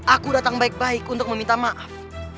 aku datang baik baik untuk meminta maaf